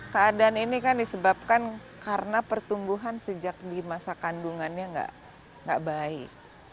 keadaan ini kan disebabkan karena pertumbuhan sejak di masa kandungannya nggak baik